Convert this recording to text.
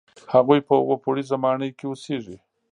هغوی په اووه پوړیزه ماڼۍ کې اوسېږي.